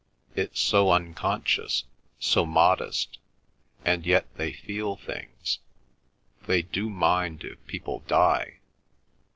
"It's so unconscious, so modest. And yet they feel things. They do mind if people die.